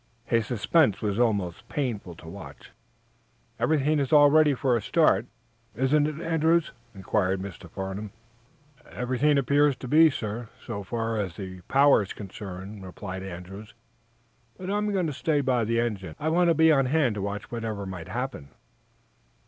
His suspense was almost painful to watch. "Everything is all ready for a start, isn't it. Andrews?" inquired Mr. Farnum. "Everything appears to be, sir, so far as the power's concerned," replied Andrews. "But I'm going to stay by the engine. I want to be on hand to watch whatever might happen."